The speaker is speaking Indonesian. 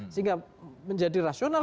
sehingga menjadi rasional